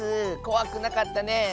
こわくなかったねえ。